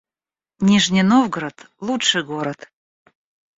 Нижний Новгород — лучший город